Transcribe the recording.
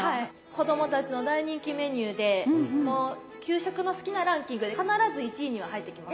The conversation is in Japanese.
子供たちの大人気メニューでもう給食の好きなランキングで必ず１位には入ってきます。